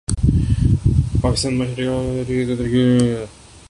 پاکستانی معشیت take off کرچکی ھے اب ترقی کو کوئی نہیں روک سکتا